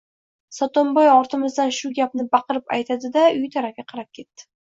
Sotimboy ortimizdan shu gapni baqirib aytdi-da, uyi tarafga qarab ketdi.